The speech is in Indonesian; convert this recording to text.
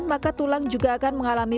maka tulang juga akan mengalami